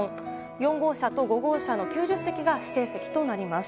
４号車と５号車の９０席が指定席となります。